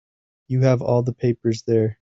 You have all the papers there.